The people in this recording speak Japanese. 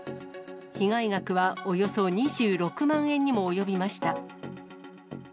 被害額はおよそ２６万円にも及びました。